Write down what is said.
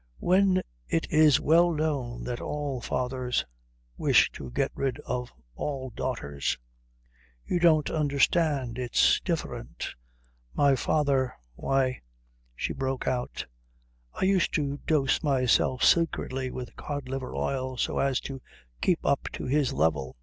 "When it is well known that all fathers wish to get rid of all daughters." "You don't understand. It's different. My father why," she broke out, "I used to dose myself secretly with cod liver oil so as to keep up to his level.